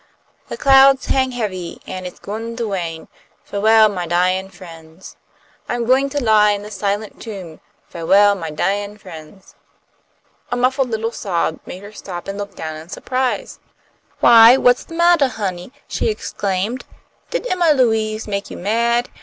"The clouds hang heavy, an' it's gwine to rain. Fa'well, my dyin' friends. I'm gwine to lie in the silent tomb. Fa'well, my dyin' friends." A muffled little sob made her stop and look down in surprise. "Why, what's the mattah, honey?" she exclaimed. "Did Emma Louise make you mad?